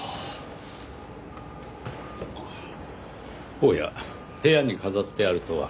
おや部屋に飾ってあるとは。